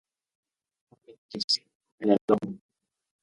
Omnitrix: En el hombro.